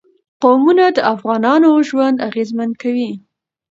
قومونه د افغانانو ژوند اغېزمن کوي.